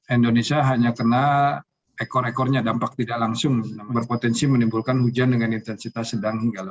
indonesia hanya kena ekor ekornya dampak tidak langsung berpotensi menimbulkan hujan dengan intensitas sedang hingga lebat